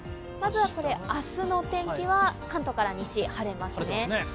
まずは明日の天気は関東から西、晴れますね。